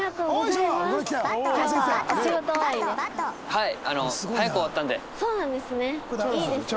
はい。